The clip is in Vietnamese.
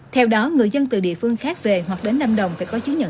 theo đó người dân từ địa phương khác về hoặc đến lâm đồng phải có chứng nhận